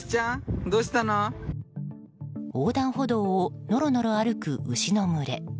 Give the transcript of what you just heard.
横断歩道をのろのろ歩く牛の群れ。